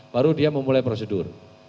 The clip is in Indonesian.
lalu dia memulai prosedur